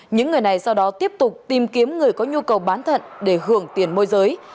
những người này sau đó tiếp tục tìm kiếm người có nhu cầu bán thận để hưởng tiền môi giới